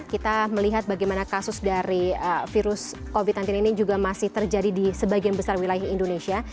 kita melihat bagaimana kasus dari virus covid sembilan belas ini juga masih terjadi di sebagian besar wilayah indonesia